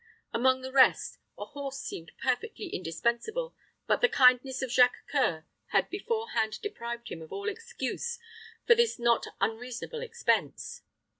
Among the rest, a horse seemed perfectly indispensable but the kindness of Jacques C[oe]ur had beforehand deprived him of all excuse for this not unreasonable expense.